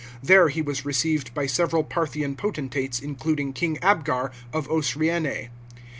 There he was received by several Parthian potentates, including king Abgar of Osroene.